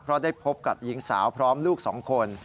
เพราะได้พบกับหญิงสาวพร้อมลูก๒คน